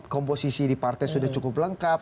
komposisi di partai sudah cukup lengkap